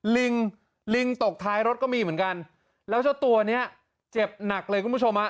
ลิงลิงตกท้ายรถก็มีเหมือนกันแล้วเจ้าตัวเนี้ยเจ็บหนักเลยคุณผู้ชมฮะ